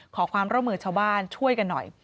ขอความร่วมมือชาวบ้านช่วยกันหน่อย